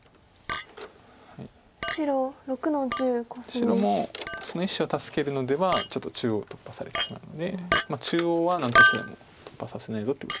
白もその１子を助けるのではちょっと中央を突破されてしまうので中央は何としてでも突破させないぞという。